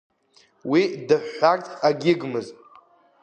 Уи дыҳәҳәарц агьигмызт.